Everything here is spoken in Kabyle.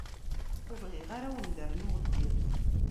Ur bɣiɣ ara ad wen-d-rnuɣ ddiq.